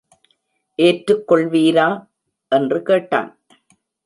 ஏற்றுக் கொள்வீரா? என்று கேட்டான்.